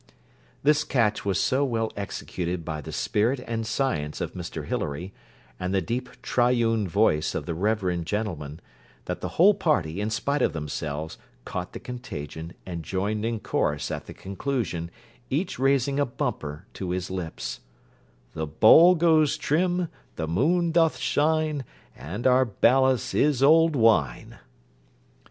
This catch was so well executed by the spirit and science of Mr Hilary, and the deep tri une voice of the reverend gentleman, that the whole party, in spite of themselves, caught the contagion, and joined in chorus at the conclusion, each raising a bumper to his lips: The bowl goes trim: the moon doth shine: And our ballast is old wine.